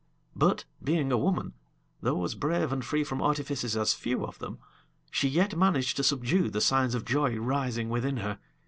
But being a woman though as brave and free from artifices as few of them she yet managed to subdue the signs of joy rising within her.